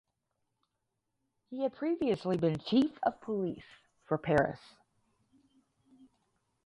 He had previously been chief of police for Paris.